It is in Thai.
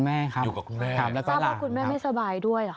ท่านว่าคุณแม่ไม่สบายด้วยหรือ